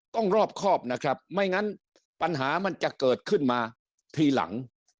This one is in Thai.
รอบครอบนะครับไม่งั้นปัญหามันจะเกิดขึ้นมาทีหลัง